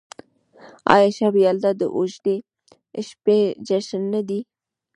آیا شب یلدا د اوږدې شپې جشن نه دی؟